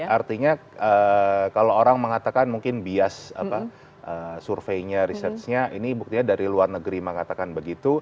artinya kalau orang mengatakan mungkin bias surveinya researchnya ini buktinya dari luar negeri mengatakan begitu